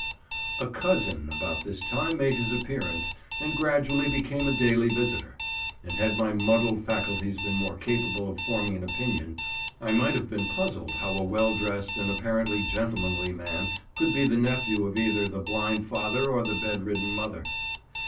"A cousin about this time made his appearance, and gradually became a daily visitor; and had my muddled faculties been more capable of forming an opinion, I might have been puzzled how a well dressed and apparently gentlemanly man could be the nephew of either the blind father or the bed ridden mother.